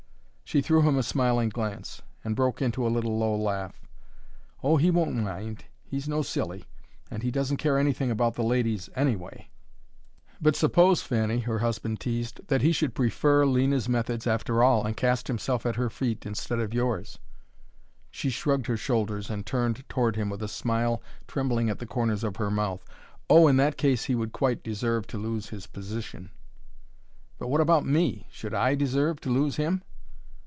She threw him a smiling glance, and broke into a little, low laugh. "Oh, he won't mind! He's no silly! And he doesn't care anything about the ladies, anyway." "But suppose, Fanny," her husband teased, "that he should prefer Lena's methods after all, and cast himself at her feet instead of yours?" She shrugged her shoulders and turned toward him with a smile trembling at the corners of her mouth. "Oh, in that case he would quite deserve to lose his position." "But what about me? Should I deserve to lose him?"